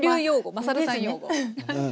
まさるさん用語。ですね。